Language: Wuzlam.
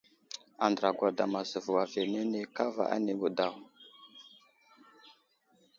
Andra gwadam azevo aviyenene kava anibo daw.